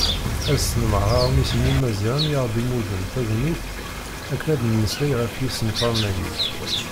Ad snemreɣ Aɣmis n Yimaziɣen i aɣ-d-imudden tagnit akken ad d-nemmeslay ɣef yisenfaren-agi.